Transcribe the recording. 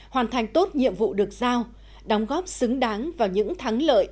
hoàn thành tốt nhiệm vụ được giao đóng góp xứng đáng vào những thắng lợi